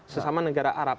sesama negara arab